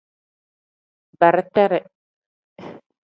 Bereteree.